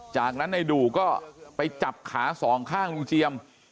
จากนั้นในดู่ก็ไปจับขาสองข้างลุงเจียม